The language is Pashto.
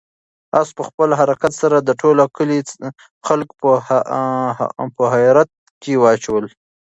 آس په خپل حرکت سره د ټول کلي خلک په حیرت کې واچول.